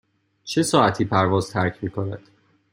چه ساعتی پرواز ترک می کند؟